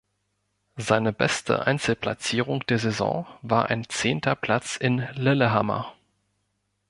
Seine beste Einzelplatzierung der Saison war ein zehnter Platz in Lillehammer.